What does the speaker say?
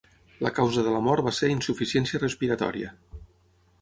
La causa de la mort va ser insuficiència respiratòria.